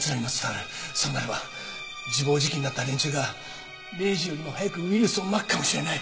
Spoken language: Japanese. そうなれば自暴自棄になった連中が０時よりも早くウイルスを撒くかもしれない。